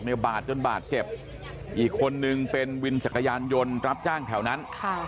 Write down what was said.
บาดจนบาดเจ็บอีกคนนึงเป็นวินจักรยานยนต์รับจ้างแถวนั้นค่ะ